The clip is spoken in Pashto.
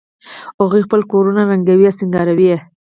هغوی خپل کورونه رنګوي او سینګاروي